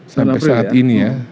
sampai saat ini ya